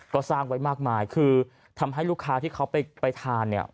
ก็สร้างไว้มากมายคือทำให้ลูกค้าที่เขาไปทานเนี่ย